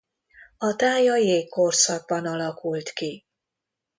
A táj a jégkorszakban alakult ki.